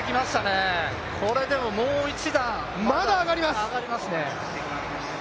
これでも、もう一段上がりますね。